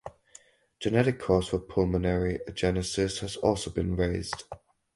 Genetic cause for pulmonary agenesis has also been raised.